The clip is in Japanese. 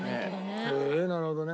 へえなるほどね。